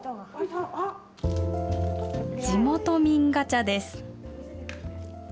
地元民ガチャです。